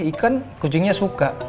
ikan kucingnya suka